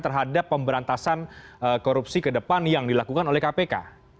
terhadap pemberantasan korupsi ke depan yang dilakukan oleh kpk